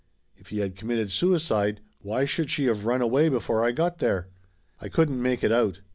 If he had committed suicide, why should she of run away before I got there? I couldn't make it out.